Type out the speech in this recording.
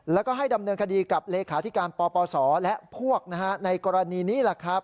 แล้วก็ให้ดำเนินคดีกับเลขาธิการปปศและพวกในกรณีนี้แหละครับ